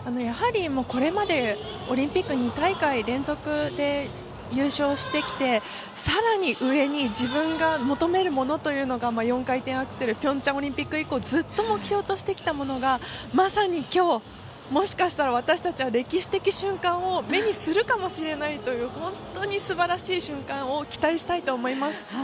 やはり、これまでオリンピック２大会連続で優勝してきて、さらに上に自分がもとめるものというのが４回転アクセルピョンチャンオリンピック以降ずっと目標としてきたものがまさに今日もしかしたら私たちは歴史的瞬間を目にするかもしれないという本当にすばらしい瞬間を期待したいと思います。